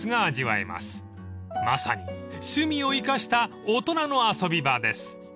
［まさに趣味を生かした大人の遊び場です］